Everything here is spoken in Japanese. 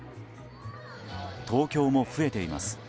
東京も増えています。